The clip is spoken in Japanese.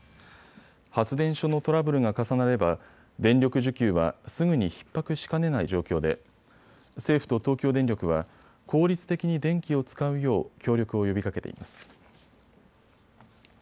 発電所のトラブルが重なれば電力需給はすぐにひっ迫しかねない状況で政府と東京電力は効率的に電気を使うよう協力を呼びかけています。